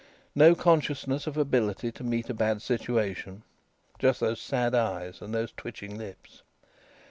No consciousness of ability to meet a bad situation. Just those sad eyes and those twitching lips.